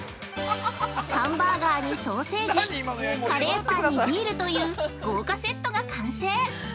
◆ハンバーガーにソーセージカレーパンにビールという豪華セットが完成。